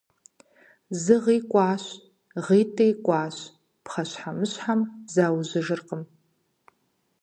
Зы гъи кӀуащ, гъитӀи кӀуащ – пхъэщхьэмыщхьэм заужьыжыркъым.